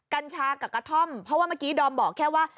กัญชากับกระท่อมเพราะว่าเมื่อกี้ดอมบอกแค่ว่า